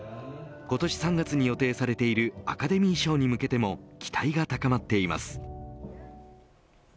今年３月に予定されているアカデミー賞に向けても期待が高まっています。